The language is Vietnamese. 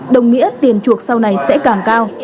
đồng nghĩa tiền chuộc sau này sẽ càng cao